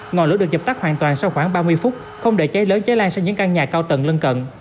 ngọn lửa được dập tắt hoàn toàn sau khoảng ba mươi phút không để cháy lớn cháy lan sang những căn nhà cao tầng lân cận